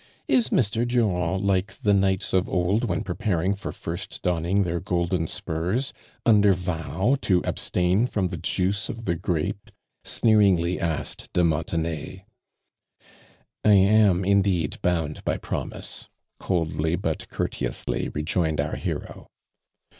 »' Is Mr. Dumnd like the knights of old when preparing for first donning their golden spurs, under vow to abstain from the juice of the grape ?" sneeringly asked «le Montenay. •* I am indeed bound by promise," coldly Wut courteously rejoined our hero.